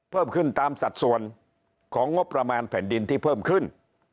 เพิ่มขึ้นตามสัดส่วนของงบประมาณแผ่นดินที่เพิ่มขึ้น